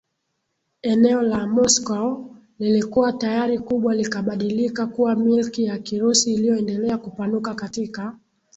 eneo la Moscow lilikuwa tayari kubwa likabadilika kuwa Milki ya Kirusi iliyoendelea kupanuka katika